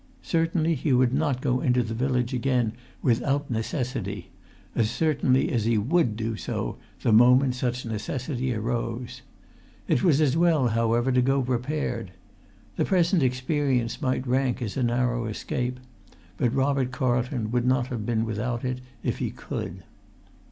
Certainly he would not go into the village again without necessity—as certainly as he would do so the moment such necessity arose. It was as well, however, to go prepared. The present experience might rank as a narrow escape; but Robert Carlton would not have been without it if he could.